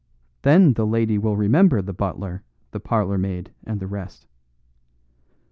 then the lady will remember the butler, the parlourmaid, and the rest.